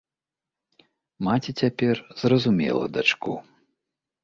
Маці цяпер зразумела дачку.